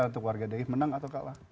untuk warga di menang atau kalah